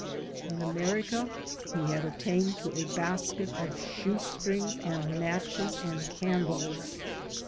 In America he had attained to a basket of shoe strings and matches and candles.